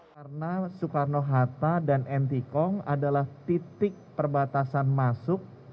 karena soekarno hatta dan ntkong adalah titik perbatasan masuk